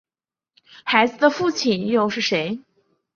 孩子的父亲又是谁？